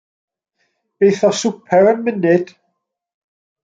Geith o swper yn munud.